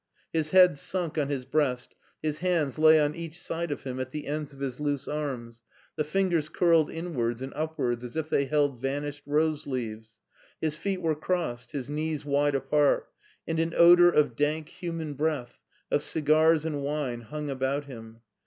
His head sunk on his breast, his hands lay on each side of him at the ends of his loose arms, the fingers curled inwards and up wards as if they held vanished rose leaves; his feet were crossed, his knees wide apart, and an odor of dank human breath, of cigars and wine hung about him.